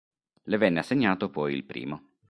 Le venne assegnato poi il primo.